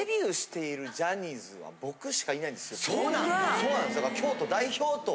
そうなんですよ。